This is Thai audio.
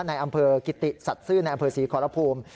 ในอำเภอกิติสัตว์ซื่อในอำเภอศรีขอรภูมิ